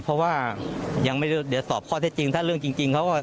เพราะว่ายังไม่ได้เดี๋ยวสอบข้อเท็จจริงถ้าเรื่องจริงเขาก็